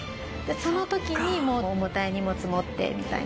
その時に重たい荷物を持ってみたいな。